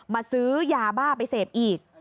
ซื้อยาบ้าไปเสพอีก